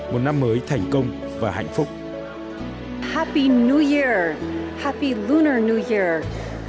một năm mới thành công và hạnh phúc